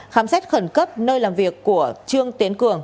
khám xét khẩn cấp nơi làm việc của trương tiến cường